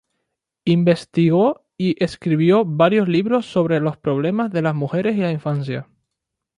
Investigó y escribió varios libros sobre los problemas de las mujeres y la infancia.